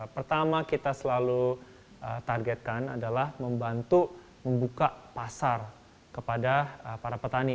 pertama kita selalu targetkan adalah membantu membuka pasar kepada para petani